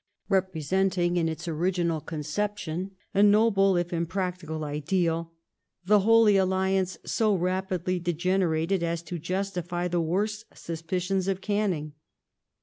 Representing, in its original conception, a noble if impracticable ideal, the Holy Alliance so rapidly degenerated as to justify the worst suspicions of Canning.